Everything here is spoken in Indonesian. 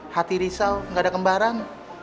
hati risau nggak ada kembaran